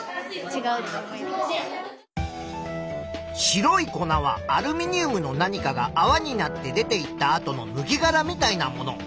白い粉はアルミニウムの何かがあわになって出ていったあとのぬけがらみたいなもの。